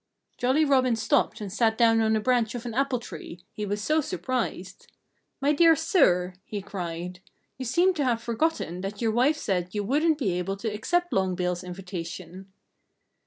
Jolly Robin stopped and sat down on a branch of an apple tree, he was so surprised. "My dear sir!" he cried. "You seem to have forgotten that your wife said you wouldn't be able to accept Long Bill's invitation."